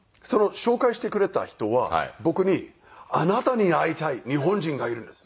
紹介してくれた人は僕に「あなたに会いたい日本人がいるんです」って言って。